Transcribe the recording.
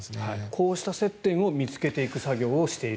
こうした接点を見つけていく作業をしていると。